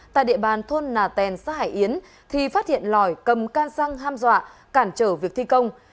tại địa bàn thôn nà tèn xã hải yến thì phát hiện lòi cầm can xăng ham dọa cản trở việc thi công